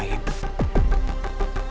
anggota wilayah kita